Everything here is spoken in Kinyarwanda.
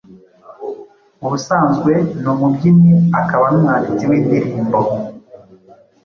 ubusanzwe ni umubyinnyi akaba n’umwanditsi w’indirimbo